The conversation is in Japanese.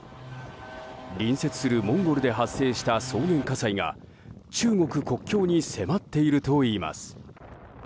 隣接するモンゴルで発生した草原火災が中国国境に迫っているといいます。